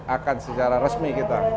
akan secara resmi kita